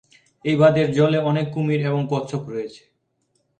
এই বাঁধের জলে অনেক কুমির এবং কচ্ছপ রয়েছে।